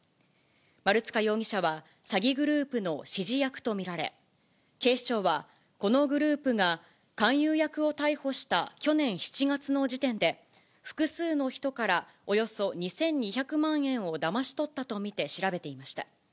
丸塚容疑者は詐欺グループの指示役と見られ、警視庁は、このグループが勧誘役を逮捕した去年７月の時点で、複数の人からおよそ２２００万円をだまし取ったと見て調べていました。